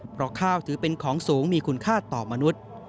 เพราะข้าวถือเป็นของสูงมีคุณค่าต่อมนุษย์